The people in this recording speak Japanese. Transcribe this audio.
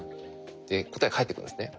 で答えが返ってくるんですね。